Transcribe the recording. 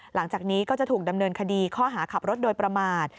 หลังจากนี้ก็จะถูกดำเนินคดีข้อหาขับรถโดยประมาท